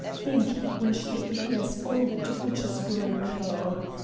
Think: when she appeared all the torches grew pale.